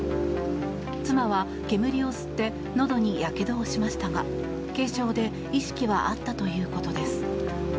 妻は煙を吸ってのどにやけどをしましたが軽症で意識はあったということです。